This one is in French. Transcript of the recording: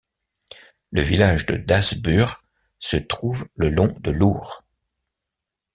Le village de Dasburg se trouve le long de l’Our.